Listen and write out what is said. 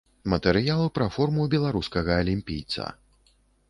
Матэрыял пра форму беларускага алімпійца.